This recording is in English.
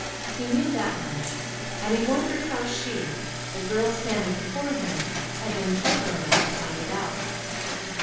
He knew that much, and he wondered how she, the girl standing before him, had been clever enough to find it out.